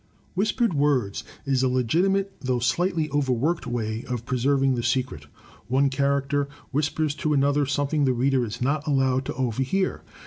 Whispered words is a legitimate though slightly overworked way of preserving the secret. One character whispers to another something the reader is not allowed to overhear.